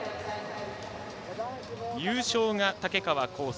優勝が竹川倖生。